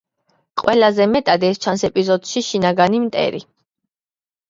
ყველაზე მეტად ეს ჩანს ეპიზოდში „შინაგანი მტერი“.